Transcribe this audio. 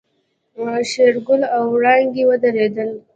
شېرګل او وړانګې ودرېدل.